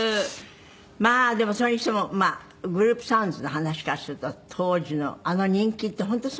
まあでもそれにしてもグループ・サウンズの話からすると当時のあの人気って本当すごかったですよね。